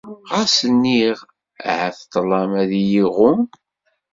Ɣas nniɣ: Ahat ṭṭlam ad iyi-iɣumm?